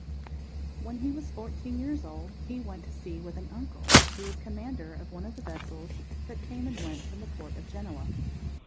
When he was fourteen years old he went to sea with an uncle, who was commander of one of the vessels that came and went from the port of Genoa.